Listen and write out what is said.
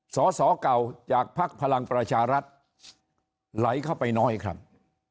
สอสอเก่าจากภักดิ์พลังประชารัฐไหลเข้าไปน้อยครับ